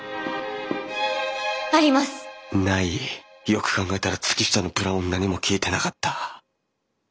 よく考えたら月下のプランを何も聞いてなかった。